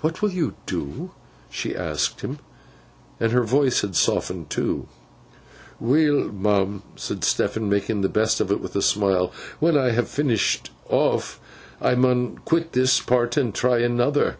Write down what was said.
'What will you do?' she asked him. And her voice had softened too. 'Weel, ma'am,' said Stephen, making the best of it, with a smile; 'when I ha finished off, I mun quit this part, and try another.